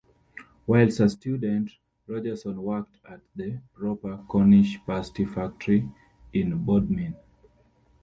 Whilst a student, Rogerson worked at the Proper Cornish pasty factory in Bodmin.